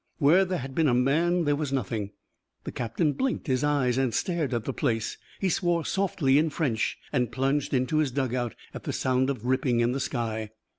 Where there had been a man, there was nothing. The captain blinked his eyes and stared at the place. He swore softly in French and plunged into his dug out at the sound of ripping in the sky.